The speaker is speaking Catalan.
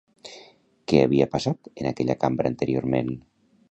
Què havia passat en aquella cambra anteriorment?